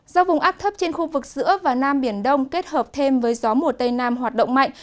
do vùng áp thấp trên khu vực giữa và nam biển đông kết hợp thêm với gió mùa tây nam hoạt động mạnh